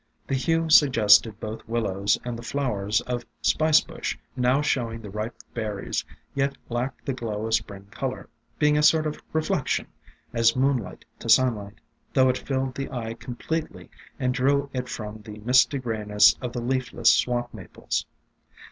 The hue suggested both Willows and the flowers of Spice Bush, now showing the ripe berries, yet lacked the glow of Spring color, be ing a sort of reflection, as moonlight to sunlight, though it filled the eye completely and drew it from the misty grayness of the leafless Swamp Maples.